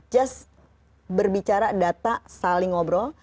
just berbicara data saling ngobrol